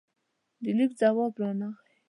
د لیک ځواب رانغلې